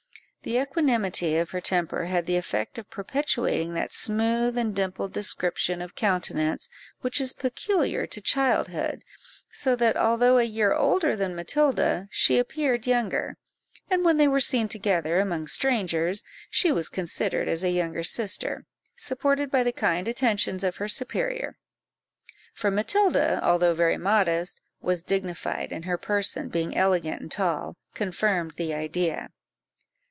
The equanimity of her temper had the effect of perpetuating that smooth and dimpled description of countenance which is peculiar to childhood; so that, although a year older than Matilda, she appeared younger; and when they were seen together among strangers, she was considered as a younger sister, supported by the kind attentions of her superior; for Matilda, although very modest, was dignified, and her person, being elegant and tall, confirmed the idea.